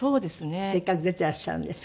せっかく出ていらっしゃるんですから。